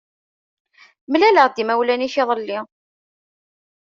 Mlaleɣ-d imawlan-ik iḍelli.